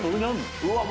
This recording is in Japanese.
うわっ！